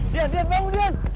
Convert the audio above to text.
dian bangun dian